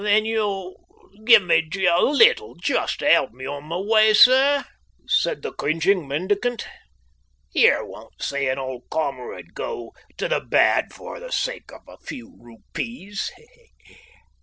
"Then you'll give me a little just to help me on my way, sir," said the cringing mendicant. "You won't see an old comrade go to the bad for the sake of a few rupees?